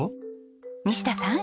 西田さん